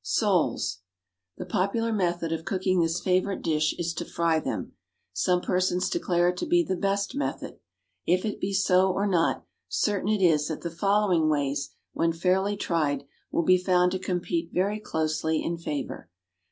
=Soles.= The popular method of cooking this favourite fish is to fry them. Some persons declare it to be the best method. If it be so or not, certain it is that the following ways, when fairly tried, will be found to compete very closely in favour.